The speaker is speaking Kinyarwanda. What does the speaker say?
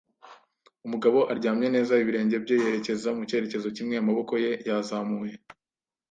umugabo aryamye neza - ibirenge bye yerekeza mu cyerekezo kimwe, amaboko ye, yazamuye